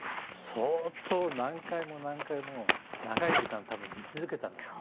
相当何回も何回も長い時間多分見続けたんだと思う。